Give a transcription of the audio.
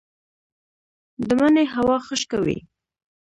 د مني هوا خشکه وي